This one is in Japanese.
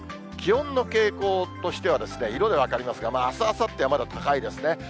気温の傾向としては、色で分かりますが、あす、あさっては、まだ高いですね。